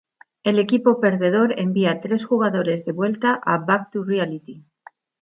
El equipo perdedor envía tres jugadores de vuelta a Back to Reality.